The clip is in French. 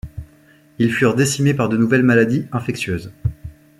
Ils furent décimés par de nouvelles maladies infectieuses.